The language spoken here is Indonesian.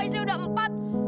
istrinya udah empat